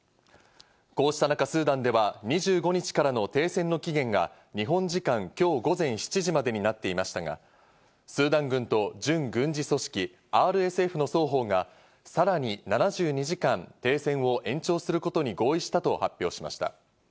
こうした中、スーダンでは２５日からの停戦の期限が日本時間きょう午前７時までになっていましたが、スーダン軍と準軍事組織ＲＳＦの双方がさらに７２時間、停戦を延長することに合意したと発表しました。